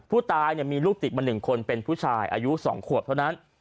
ผู้ตายมีลูกติดมา๑คนเป็นผู้ชายอายุ๒ขวบเท่านั้น